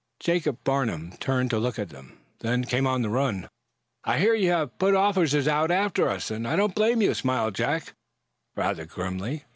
Jacob Farnum turned to look at them, then came on the run. "I hear you have put officers out, after us, and I don't blame you," smiled Jack, rather grimly.